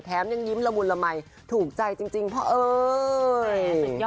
แท้มยังยิ้มละมุนละมัยถูกใจจริงเพราะเอ่ย